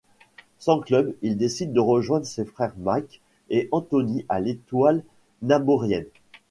Sans club, il décide de rejoindre ses frères Mike et Anthony à l'Étoile Naborienne.